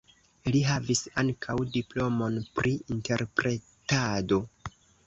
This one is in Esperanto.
Li havis ankaŭ diplomon pri interpretado.